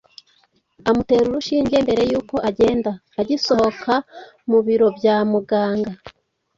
amutera urushinge mbere y’uko agenda. Agisohoka mu biro bya muganga